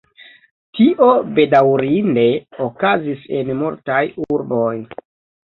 Tio bedaŭrinde okazis en multaj urboj.